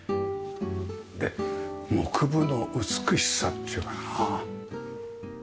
で木部の美しさっていうかな。